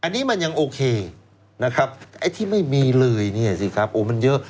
อันนี้มันยังโอเคนะครับไอ้ที่ไม่มีเลยเนี่ยสิครับโอ้มันเยอะ